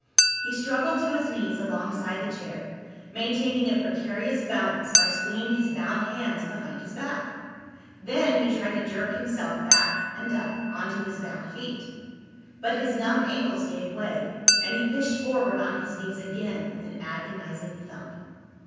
He struggled to his knees alongside the chair, maintaining a precarious balance by swinging his bound hands behind his back. Then he tried to jerk himself back and up, onto his bound feet. But his numb ankles gave way and he pitched forward on his knees again with an agonizing thump.